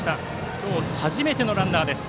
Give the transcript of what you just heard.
今日初めてのランナーです